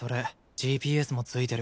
ＧＰＳも付いてる。